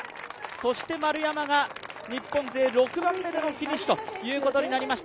そして丸山が日本勢６番目でのフィニッシュということになりました。